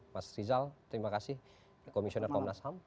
mas rizal terima kasih komisioner komnas ham